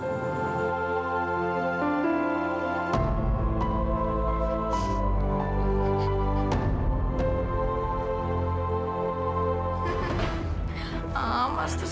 gampang gombal aku banget